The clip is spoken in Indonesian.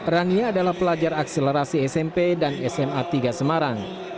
rania adalah pelajar akselerasi smp dan sma tiga semarang